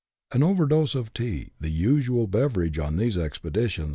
An overdose of tea, the usual beverage on these expeditions, CHAP.